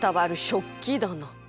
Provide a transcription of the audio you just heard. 食器だな。